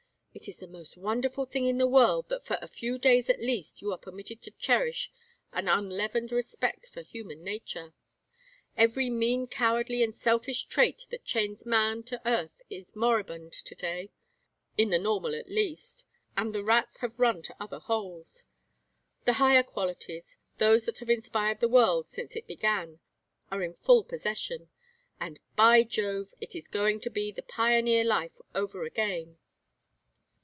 It is the most wonderful thing in the world that for a few days at least you are permitted to cherish an unleavened respect for human nature. Every mean cowardly and selfish trait that chains man to earth is moribund to day, in the normal at least; and the rats have run to other holes. The higher qualities, those that have inspired the world since it began, are in full possession. And, by Jove, it is going to be the pioneer life over again!